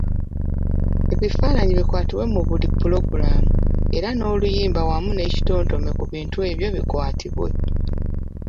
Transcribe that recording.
Ebifaanayi bikwatibwe mu buli pulogulaamu era oluyimba wamu n’ekitontome ku bintu ebyo bikwatibwe.